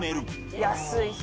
「安いし」